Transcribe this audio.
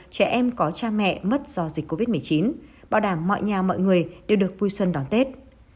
trẻ em có cha mẹ mất do dịch covid một mươi chín bảo đảm mọi nhà mọi người đều được vui xuân đón tết